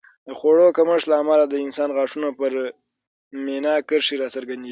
د خوړو کمښت له امله د انسان غاښونو پر مینا کرښې راڅرګندېږي